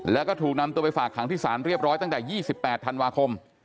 แล้วก็ถูกนำตัวไปฝากขังที่ศาลเรียบร้อยตั้งแต่๒๘ธันวาคม